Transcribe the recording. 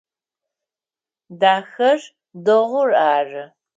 Дахэр дэгъур ары.